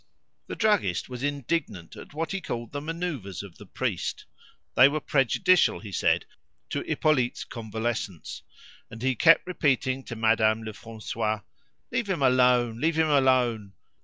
The druggist was indignant at what he called the manoeuvres of the priest; they were prejudicial, he said, to Hippolyte's convalescence, and he kept repeating to Madame Lefrancois, "Leave him alone! leave him alone!